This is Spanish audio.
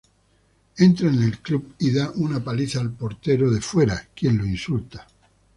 Entra en el club y da una paliza al portero fuera quien lo insulta.